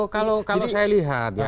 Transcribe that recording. kalau saya lihat ya